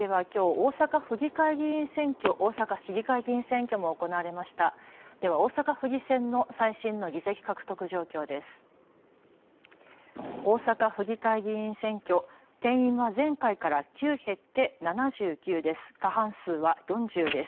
大阪府議会議員選挙、定員は前回から９減って７９です。